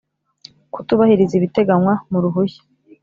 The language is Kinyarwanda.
kutubahiriza ibiteganywa mu ruhushya,